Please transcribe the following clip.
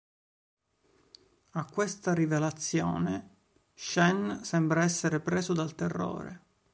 A questa rivelazione Shen sembra essere preso dal terrore.